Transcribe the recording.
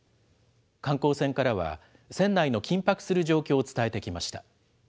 観光船からは、船内の緊迫する状況を伝えてきました。